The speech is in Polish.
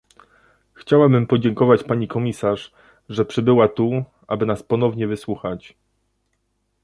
Chciałabym podziękować pani komisarz, że przybyła tu, aby nas ponownie wysłuchać